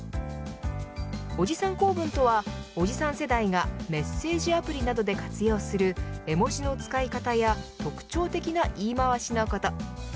おじさん構文とはおじさん世代がメッセージアプリで活用する絵文字の使い方や特徴的な言い回しのこと。